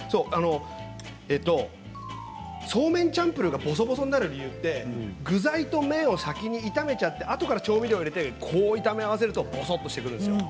そうめんチャンプルーがぼそぼそになる理由って具材と麺を先に炒めちゃってあとから調味料入れて、炒め合わせるとぼそっとしてくるんですよ。